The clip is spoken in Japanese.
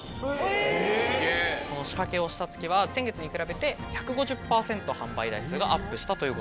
この仕掛けをした月は先月に比べて１５０％販売台数がアップしたということです。